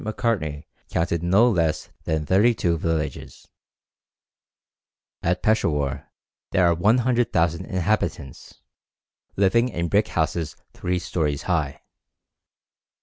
Macartney counted no less than thirty two villages. At Peshawur there are 100,000 inhabitants, living in brick houses three stories high.